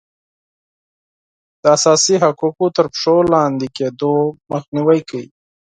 د اساسي حقوقو تر پښو لاندې کیدو مخنیوی کوي.